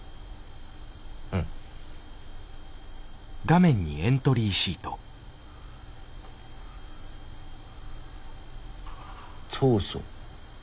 うん。長所。